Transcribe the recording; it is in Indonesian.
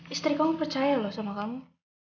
istri kamu percaya loh sama kamu